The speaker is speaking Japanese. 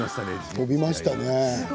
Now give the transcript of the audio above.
飛びましたね。